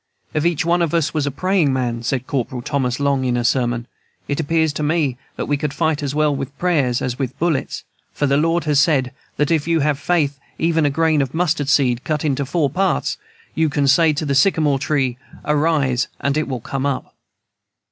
"If each one of us was a praying man," said Corporal Thomas Long in a sermon, "it appears to me that we could fight as well with prayers as with bullets, for the Lord has said that if you have faith even as a grain of mustard seed cut into four parts, you can say to the sycamore tree, Arise, and it will come up."